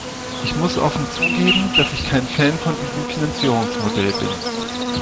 Ich muss offen zugeben, dass ich kein Fan von diesem Finanzierungsmodell bin.